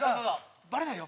バレないよ